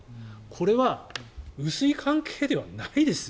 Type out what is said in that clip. これは薄い関係ではないです